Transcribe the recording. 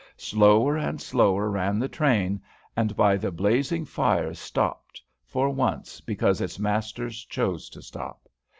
Slower and slower ran the train, and by the blazing fire stopped, for once, because its masters chose to stop.